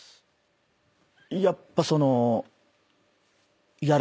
やっぱその。